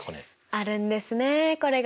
あるんですねこれが。